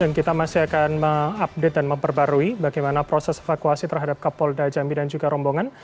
dan kita masih akan mengupdate dan memperbarui bagaimana proses evakuasi terhadap kapolda jambi dan juga rombongan